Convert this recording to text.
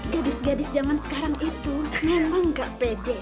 gadis gadis zaman sekarang itu memang gak pede